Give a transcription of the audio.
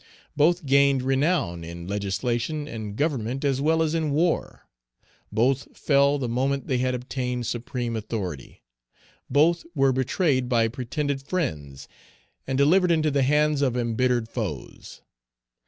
Both gained renown in legislation and government as well as in war. Both fell the moment they had obtained supreme authority. Both were betrayed by pretended friends, and delivered into the hands of embittered foes.